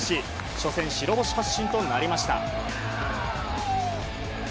初戦、白星発進となりました。